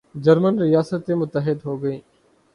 German ریاستیں متحد ہوگئیں